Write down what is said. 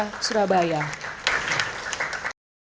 hubungan serta komunikasi yang sehat